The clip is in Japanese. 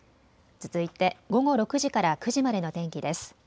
続いて午後６時から９時までの天気です。